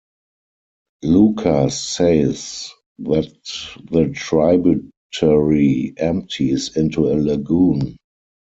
Lucas says that the tributary empties into a lagoon.